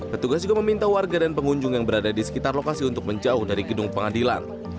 petugas juga meminta warga dan pengunjung yang berada di sekitar lokasi untuk menjauh dari gedung pengadilan